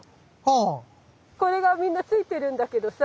これがみんなついてるんだけどさ